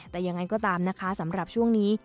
แต่ยังไงก็ตามนะคะสำหรับช่วงนี้